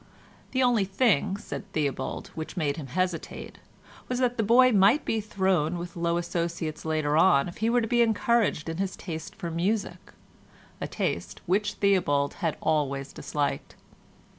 The only thing, said Theobald, which made him hesitate, was that the boy might be thrown with low associates later on if he were to be encouraged in his taste for music—a taste which Theobald had always disliked.